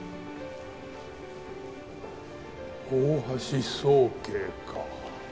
大橋宗桂か。